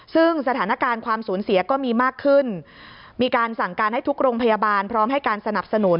ซึ่งสถานการณ์ความสูญเสียก็มีมากขึ้นมีการสั่งการให้ทุกโรงพยาบาลพร้อมให้การสนับสนุน